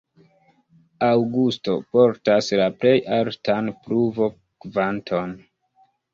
Aŭgusto portas la plej altan pluvo-kvanton.